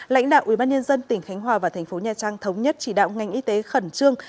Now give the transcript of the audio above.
lãnh đạo ubnd tỉnh khánh hòa và thành phố nha trang thống nhất chỉ đạo ngành y tế khẩn trương